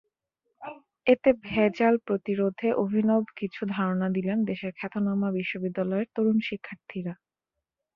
এতে ভেজাল প্রতিরোধে অভিনব কিছু ধারণা দিলেন দেশের খ্যাতনামা বিশ্ববিদ্যালয়ের তরুণ শিক্ষার্থীরা।